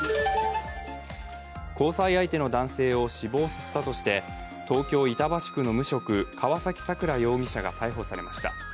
交際相手の男性を死亡させたとして、東京・板橋区の無職、川崎さくら容疑者が逮捕されました。